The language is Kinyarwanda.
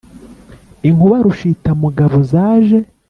Inkuba rushitamugabo zaje